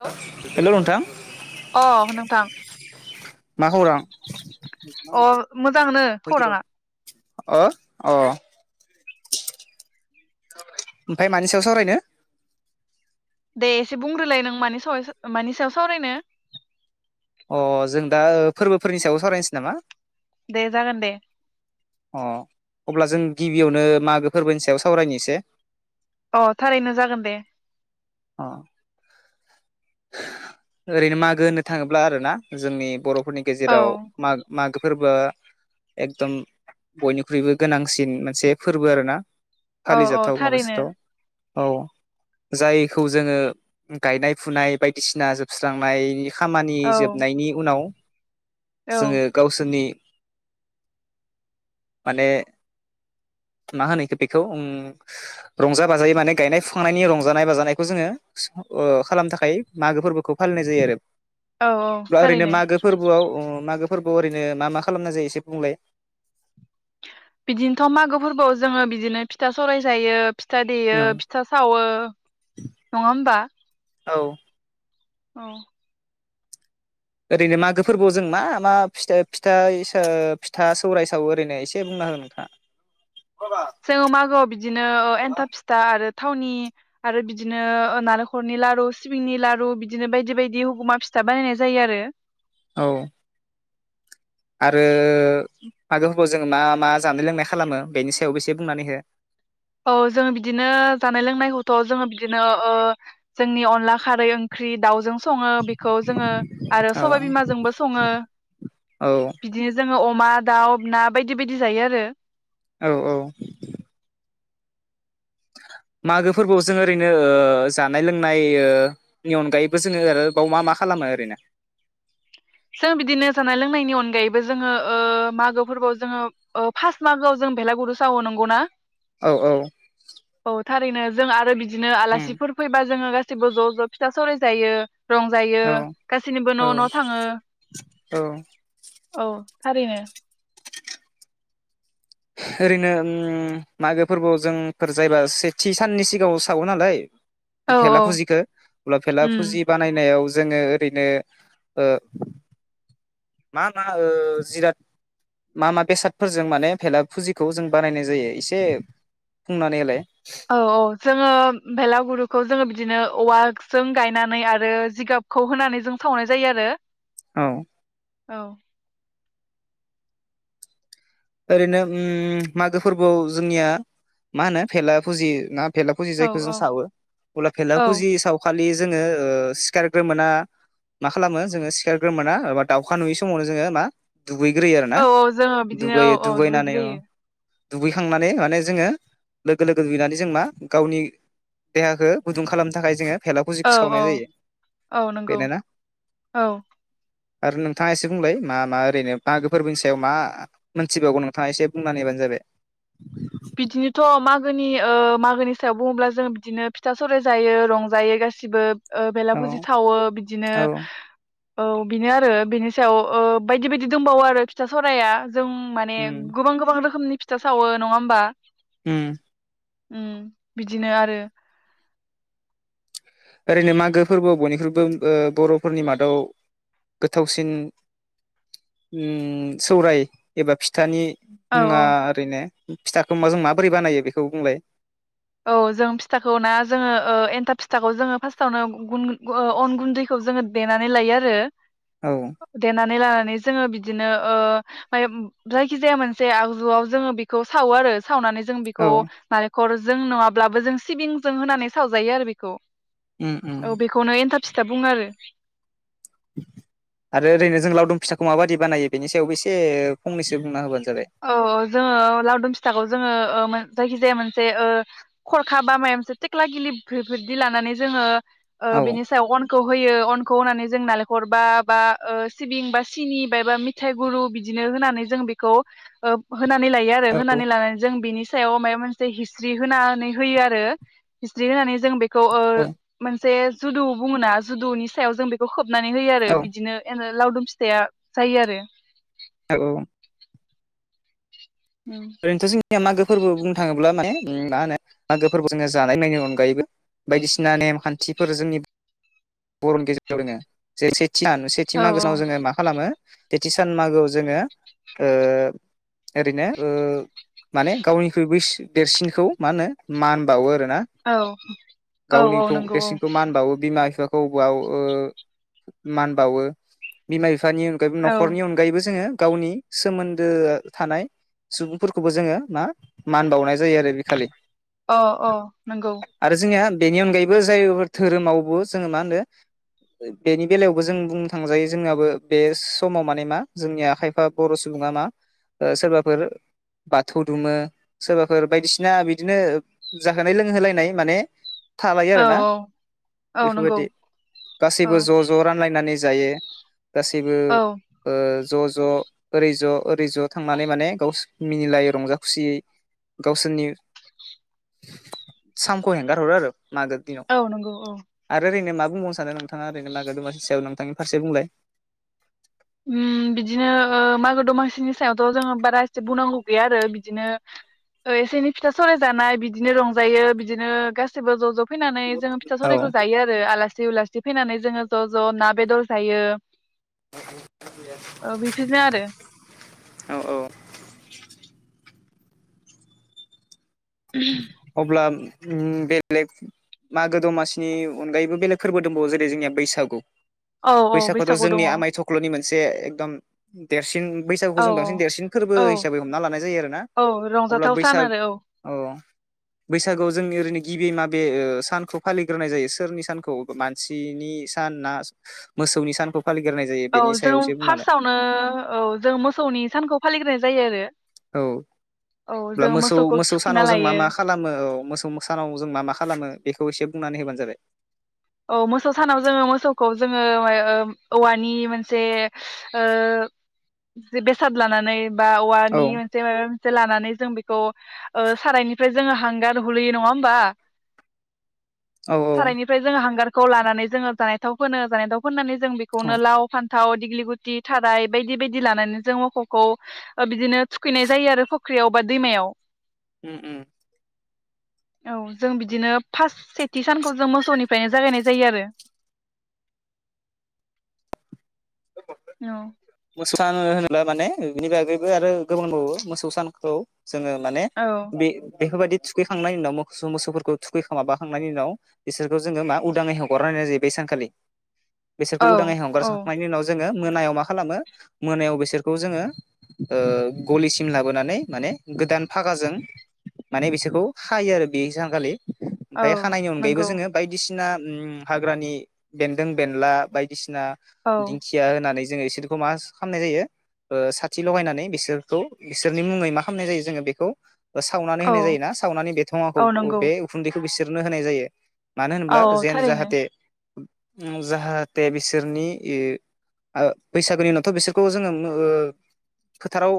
लौ हेल' नोंथां अ नोंथां मा खौरां अ मोजांनो खौराङा ओ अ ओमफाय मानि सायाव सावरायनो दे एसे बुंग्रोलाय नों मानि साव मानि सायाव सावरायनो अ जों दा फोरबोफोरनि सायाव सावरायनोसै नामा दे जागोन दे अ अब्ला जों गिबियावनो मागो फोरबोनि सायाव सावरायनो इसे अ थारैनो जागोन दे अ ओरैनो मागो होननो थाङोब्ला आरो ना जोंनि बर फोरनि औ गेजेराव माग-मागो फोरबोआ एकदम बयनिख्रुइबो गोनांसिन मोनसे फोरबो आरो ना औ औ थारैनो औ जाय खौ जोङो गायनाय फुनाय बायदिसिना जोबस्रांनाय खामानि औ जोबनायनि उनाव औ जोङो गावसोरनि माने मा होनोख बेखौ रंजा बाजायै माने गायनाय फुनायनि रंजानाय बाजानाय खौ जोङो ओ खालामनो थाखाय मागो फोरबोखौ फालिनाय जायो आरो औ ब्ला ओरैनो थारैनो मागो फोरबोआव ओ मागो फोरबो ओरैनो मा मा खालामना जायो एसे बुंलाय बिदिनोथ मागो फोरबोआव जोङो बिदिनो फिथा सराय जायो फिथा देयो औ फिथा सावो नङा होमबा औ औ ओरैनो मागो फोरबोआव जों मा मा फिथाय-फिथाय ओ फिथा सौराय साव ओरैनो एसे बुंना हो नोंथाङा जोंङो मागोआव बिदिनो एन्थाब फिथा आरो थावनि आरो बिदिनो नालेंखरनि लारु सिबिंनि लारु बिदिनो बायदि-बायदि हुगुमा फिथा बानायनाय जायो आरो। औ आरो मागो फोरबोआव जोंङो मा मा जानाय लोंनाय खालामो बेनि सायावबो एसे बुंनानै हो। औ जोंङो बिदिनो जानाय लोंनायखौथ जोंङो बिदिनो जोंनि अनला खारै ओंख्रि दाउजों सङो बिखौ जोंङो आरो औ सबाय बिमाजोंबो सङो औ बिदिनो जोङो अ मा दाउ ना बायदि-बायदि जायो आरो। औ औ मागो फोरबोआव जों ओरैनो जानाय ओ लोंनायनि अनगायैबो जोंङो बेाव मा मा खालामो ओरैनो जों बिदिनो जानाय लोंनायनि अनगायैबो जोंङो ओ मागो फोरबोआव जोंङो ओ फासट मागोआव जों बेलागुरु सावोनंगौना। औ औ थारैनो जों आरो बि दिनो उम आलासिफोर फैबा जोंङो गा सिबो ज-ज फिथा सौराय जायो। रंजायो औ गासैनिबो औ न'-न'थाङो । औ औ थारैनो ओरैनो उम मागो फोरबोआव जोंफोर जायोबा सेथि साननि सिगाङाव सावो नालाय औ भेला औ फुजिखौ बा भेला उम फुजि बानायनायाव जोंङो ओरैनो ओ मा मा ओ जिराद मा मा बेसादफोरजों माने भेला फुजिखौ जों बानायनाय जायो एसे बुंनानैलाय होलाय औ औ जोंङो बेलागुरुखौ जोंङो बिदिनो औवाजों गायनानै आरो जिगाबखौ होनानै सावनाय जायो आरो। औ औ ओरैनो अम मागो फोरबोआव जोंनिया माहोनो भेला फुजियो भेलाफुजि औ जायखौ जों औ सावो अब्ला औ भेललाफुजि सावखालि जोंङो ओ सिखारग्रोमोना मा खालामो जोंङो सिखारग्रोमोनाा दाउखा नुयि समावनो जोंङो मा दुगैग्रोयो आरो ना दुगै अ दुगैग्रोयो दुगैखांनानै माने जोंङो लोगो लोगो दुगैनानै जों मा गावनि देहाखो गुदुं खालामनो थाखाय जोंङो औ औ औ नंगौ बेनोना औ आरो नोंथाङा एसे बुंलाय मा मा ओरैनो मागो फोरबोनि सायाव मा मोन थिबावगौ नोंथाङा एसे बुंना हैैबानो जाबाय बिदिनोथ मागोनि ओ मागोनि सायाव बुङोब्ला जों बिदिनो फिथा सौराय जायो रंजायो गासिबो- ओ औ बेलाभुजि सावो बिदिनो औ औ बेनो आरो बेनि सायाव ओ बायदि बायदि दंबावो आरो फिथा सावराया जों माने ओम गोबां गोबां रोखोमनि फिथा सावो नङा होमबा उम उम बिदिनो आरो ओरैनो मागो फोरबोआव बयनिख्रुइबो ओ बरफोरनि मादाव गोथावसिन उम सौराय एबा फिथानि औ मुङा औ ओरैनो फिथाखौ माजों माबोरै बानायो बेखौ बुंलाय? औ जों फिथाखौ ना जोङो ओ एनथाब फिथाखौ जोङो फास्तावनो ओ अन गुन्दैखौ जोङो देनानै लायो आरो औ दे नानै लाना नै जोङो बिदिनो ओ आं जायखि जाया मोनसे आगजुआव जोङो बेखौ सावो आरो सावनानै जों औ बेखौ नारें [unintelligible] जों नङाब्लाबो जों सिबिंजों होनानै सावजायो आरो बेखौ। उम उम औ बेखौनो एन्थाब फिथा बुङो आरो आरो ओरैनो जों लावदुम फिथाखौ माबायदि बानायो बेनि सायावबो एसे फंनैसो बुंना होबानो जाबाय औ जोङो लावदुम फिथाखौ जोङो। ओ मोन जायखिजाया मोनसे ओ खरखा बा माया मोनसे थेक्ला गिलि बेफोरदि लानानै जोङो। ओ औ बेनि सायाव अन खौ होयो अनखौ होनानै जों नालेंखर बा-बा ओ सिबिं बा सिनि बायबा मिथाइ गुरु बिदिनो होनानै जों बेखौ ओ होनानै लायो आरो औ औ होनानै लानानै जों बिनि सायाव मायाव मोनसे हिस्रि होनानै होयो आरो हिस्रि होनानै जों बे खौ ओ मोनसे जुदु बुङोना जुदुनि सायाव जों बेखौ खोब बनानै होयो आरो औ बिदिनो एरो लावदुम फिथाइया जायो आरो ओ औ ओरैनथ' जों निया मागो फोरबो बुंनो थाङोब्ला माने उम मा होनो मागो फोरबो जोंना जानाय लोंनायनि अनगायैबो बायदिसिना नेम खान्थिफोर जोंनि बरनि [unintelligible] [unintelligible] सेथि औ मागोनाव जोङो मा खालामो सेथि सान मागौ जोङो ओ ओरैनो- ओ माने गावनिख्रुइ बै देरसिनखौ मा होनो मान बाउवो आरो हो औ औ औ गावनिखौ नंगौ देरसिनखौ मान बाउवो बिमा बिफाख औ बाउ ओ मान बाउवो बिमा बि बिफानि अनगायै औ न'खरनि अगायैबो जोङो गावनि सोमोन्दोया थानाय सुबुंफोरखौबो जोङो मा मान बाउनाय जायो आरो बिखालि अ अ नंगौ। बेनि अनगायैबो जायफोर धोरोमावबो जोङो मा होनो बेनि बेलायावबो जों बुंनो थांजायो जोंनाबो बे समाव माने मा जोंनिया खायफा बर' सुबुङा मा ओ सोरबाफोर बाथौ दुुमो सोरबाफोर बायदिसिना बिदिनो जाहोनाय लोंहोलायनाय माने थालायो औ आरोना औ नंगौ बेफोरबायदि औ गासैबो ज ज रानलायनानै जायो गासैबो औ ओ ज ज ओरै ज ओरै ज थांनानै माने गावसो मिनिलायो रंजा खुसियै गावसोरनि सामखौ हेंगारहरो आरो मागो दिनाव औ नंगौ औ आरो ओरैनो मा बुंबावनो सानो नोंथाङा ओरैनो मागो दमासिनि सायाव नोंथांनि फारसे बुंलाय उम बिदिनो ओ मागो दमासिनि सायावथ' जोङो बारा एसे बुंनांगौ गैया आरो बिदिनो एसे एनै फिथा सौराय जानाय बिदिनो रंजायो बिदिनो गासिबो ज ज फैनानै जोङो फिथा औ सौराइखौ जायो आरो आलासि उलासि फैनानै जोङो ज ज ना बेदर जायो औ बेफोरनो आरो औ औ [inaudible] अब्ला उम बेलेग मागो दमासिनि अनगायैबो बेलेग फोरबो दंबावो जेरै जोंनिया बैसागु औ औ बैसागुआथ' बैसागु दङ जोंनि औ आमाय थख्ल'नि मोन से एकदम देरसिन बैसागुखौ औ जों बांसिन देरसिन फोरबो औ हिसाबै हमना लानाय जायो आरोना औ अब्ला रंजाथाव सान बैसाग आरो औ बैसागोआव जोंनि ओरैनो गिबि माबे ओ सानखौ फालिग्रोनाय जायो सोरनि सानखौ मानसिनि सान ना मोसौनि सानखौ फालिग्रोनाय जायो औ बेनि सायाव जों एसे बुंनानै फार्सआवनो औ जों मोसौनि सानखौ फालिग्रोनाय जायो आरो औ औ होनब्ला जों मोसौ मोसौखौ मोसौ थुखैना सानाव जों लायो मा मा खालामो औ मोसौ सानाव जों मा मा खालामो बेख खौ इसे बुंनानै होबानो जाबाय। औ मोसौ सानाव जोङो मोसौखौ जोङो माय ओ औवानि मोनसे ओ बेसाद लानानै बा औ औवानि मोनसे मायबामोम मोनसे लानानै जों बेखौ ओ सारायनिफ्राय जोङो हांगार हुलुयो नङा ओमबा? औ औ हांगारखौ लानानै जोङो जानाय थाव फोनो जानायथाव फोननानै जों औ बेखौनो लाव फान थाव दिग्लि गुथि थाराय बायदि बायदि लानानै जों मोखौखौ बिदिनो थुखैनाय जायो आरो फुख्रियाव बा दैमायाव। उम उम औ जों बिदिनो फास्ट सेथि सानखौ जों मोसौनिफ्रायनो जागायनाय जायो आरो औ सान होनोब्ला माने बिनि बागैबो आरो गोबां होनबावो मोसौ सानखौ जोङो माने आरो बे-बेफोरबायदि थुखैखांनायनि उनाव मोसौ मोसौफोरखौ थुखैखोम माबाखांनायनि उनाव बिसोरखौ जोङो मा उदाङै हगारनाय जायो बेै सानखालि। बेसोरखौ औ उदाङै औ हमगारसारनायनि उनाव जोङो मोननायायाव मा खालामो मोनायाव बिसोरखौ जोङो ओ गलिसिम लाबोनानै माने गोदान फागाजों माने बिसोरखौ हायो आरो बे सांखालि। औ ओमफ्राय खानायनि अनगायैबो नंगौ जोङो बायदिसि ना हाग्रानि बेन्दों बेनला बायदिसि ना औ दिंखिया होनानै जों एसे मा खालामनाय जायो साथि लगायनानै बिसोरखौ बिसोरनि मुङै मा खालामनाय जायो जोङो बेखौ सावनानै औ होनाय जायो ना सावनानै बे थङाखौ औ नंगौ बे उखुन्दैखौ खौ बिसोरनो होनाय जायो। मानो औ होनोब्ला औ जेन थारैनो जाहाथे जाहाथे बिसोरनि इ आ बैसागोनि उनावथ' बिसोरखौ जोङो ओ फोथाराव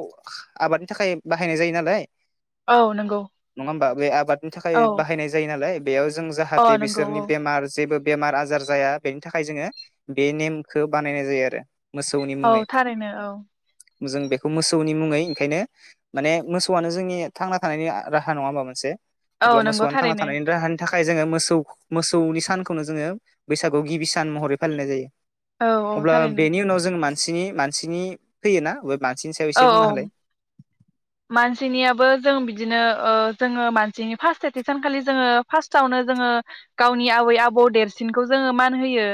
आबादनि थाखाय बाहायनाय जायो नालाय। औ नंगौ नङा होमबा बे आबाद नि औ थाखाय बाहायनाय जायो नालाय बेयाव जों अ जाहाथे नंगौ बिसोरनि औ बेमार जेबो बेमार आजार जाया बेनि थाखाय जोङो बे नेमखौ बानायनाय जायो आरो मोसौनि औ मुङै थारैनो औ जों बेखौ मोसौनि मुङै ओंखायनो माने मोसौआनो जोंनि थांना थानायनि राहा नङा होमबा मोनसे। औ अब्ला नंगौ मोसौआनो थांना थारैनो थानायनि राहानि थाखा थाखाय जोङो मोसौ मोसौनि सानखौनो जोङो बैसागुआव गिबि सान महरै फालिनाय जायो। औ औ अब्ला थारैनो। बेनि उनाव जों मानसिनि मानसिनि फैयोना मानसिनि सायाव औ एसे बुंनो औ हालाय। मानसिनियाबो जों बिदिनो ओ जोङो मानसिनि फार्स्ट एथे सानखालि जोङो फार्स्टआवनो जोङो गावनि आबै आबौ देरसिनखौ जोङो मान होयो।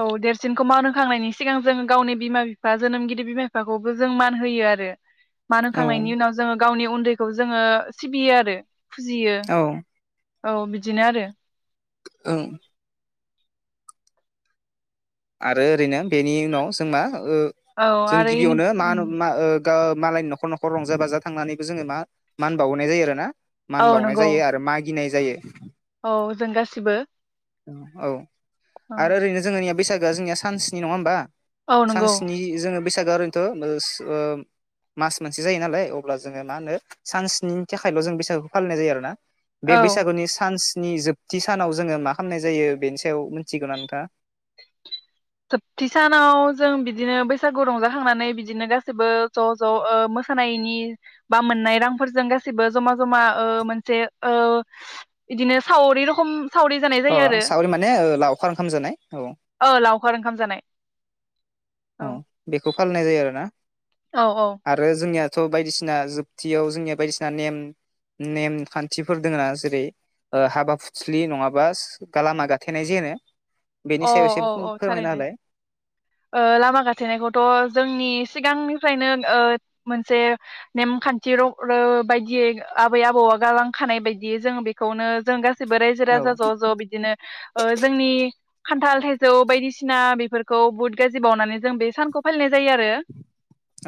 औ देरसिनखौ मान हो होखांनायनि सिगां जों गावनि बिमा बिफा जोनोमगिरि बिमा बिफाखौबो जों मान होयो आरो मान औ होखांनायनि उनाव जोङो गावनि उन्दैखौ जोङो सिबियो आरो फुजियो औ औ बिदिनो आरो ओं आरो ओरैनो बेनि उनाव जों मा ओ औ जों आरो इनि गिबियावनो मा होनो मा ओ गो मालायनि न'खर न'खर रंजा बाजा थांनानैबो जोङो मा मान बावनाय जायो आरो ना मान औ बावनाय नंगौ जायो आरो मागिनाय जायो औ जों गासिबो [inaudible] औ औ आरो ओरैनो जोंनिया दा जोंनि सानसनि नङा होनबा? औ नंगौ सानसेनि जोङो बैसागोआ ओरैनोथ' ओस मास मोनसे जायो नालाय अब्ला जोङो मा होनो सानसेनि थाखायल' जों बैसागुखौ फालिनाय जायो आरोना बे औ बैसागुनि सान्स नि जोबथि सानाव जोङो मा खालामनाय जायो बेनि सायाव मिनथिगौना नोंथाङा सोबथि सानाव जों बिदिनो बैसागु रंजाखांनानै बिदिनो गाैबो ज' ज' मोसानायनि बा मोननाय रांफोरजों गासैबो जमा जमा मोनसे बिदिनो सावरि रखम सावरि जानाय अ जायो आरो सावरि माने ओ लावखार ओंखाम जानाय औ ओ लावखार ओंखाम जानाय औ बेखौ फालिनाय जायो आरो ना औ औ [inaudible] आरो जोंनिया थ' बायदिसिना जोबथियाव जोंनिया बायदिसिना नेम नेम खान्थिफोर दोङना जेरै ओ हाबा फुस्लि नङाबा गा लामा गाथेनाय जे ओनो अ बेनि सायाव एसे औ औ फोरमायना थारैनो होलाय लामा गाथे नायखौथ' जोंनि सिगांनिफ्रायनो ओ मोनसे नेमखान्थि ओ बायदियै आबै आबौआ गालांखानाय बायदियै जों बेखौनो जों गा गासिबो रायजो औ राजा ज' ज' बिदिनो ओ जोंनि खान्थाल थाइजौ बायदिसिना बेफोरखौ बहुद गाज्रि बावनानै जों बे सानखौ फालिनाय जायो आरो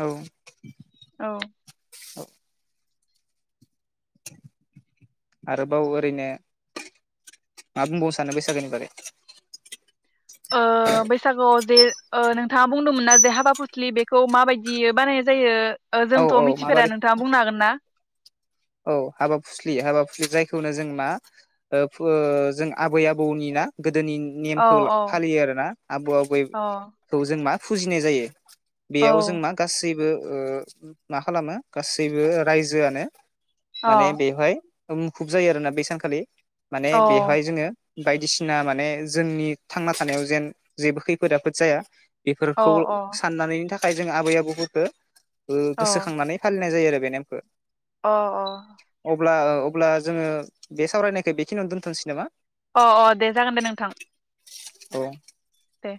औ औ [inaudible] औ आरोबाव ओरैनो मा बुंबावनो सानो बैसागोनि बागै ओ बैसागोआव जे ओ नोंथाङा बुंदोंमोन ना जे हाबा फुस्लि बेखौ माबायदि बानायनाय जायो ओ औ जोंथ' औ मिथिफेरा माबारै नोंथाङा बुंनो हागोन ना? औ हाबा फुस्लि हाबा फुस्लि जायखौनो जों मा ओ फु जों आबै आबौनि ना गोदोनि औ नेमखौ औ फालियो आरोना आबौ औ आबैखौ जों मा फुजिनाय जायो। बेयाव जों औ मा गासैबो ओ मा खालामो गासैबो रायजोआनो अ माने बेहाय मुखुब जायो आरोना बे सानखालि माने अ बेवहाय जोङो बायदिसिना माने जोंनि थांना थानायाव जेन जेबो खैफोद आफफोद जाया। अ बेफोरखौ साननानै थाखाय थाखाय जों आबै आबौ मोनखो अ गोसोखांनानै फालिनाय जायो आरो बेनिफ्राय अ अ अब्ला जोङो बे सावरायनायखौ बेखिनियावनो दोनथनोसै नामा? अ अ दे जागोन दे नोंथां औ दे